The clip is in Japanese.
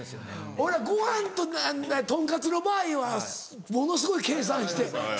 俺らご飯ととんかつの場合はものすごい計算して食べるけど。